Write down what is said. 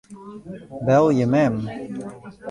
Belje mem.